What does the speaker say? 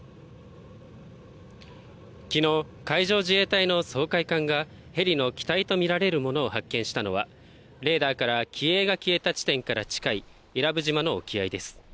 昨日、海上自衛隊の掃海艦がヘリの機体とみられるものを発見したのは、レーダーから機影が消えかけた地点から近い伊良部島の沖合です。